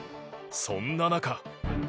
そんな中。